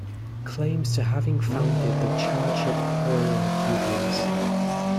Claims to having founded the church at Paul are dubious.